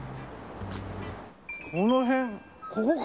この辺ここか？